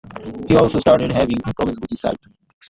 He also started having problems with his sight.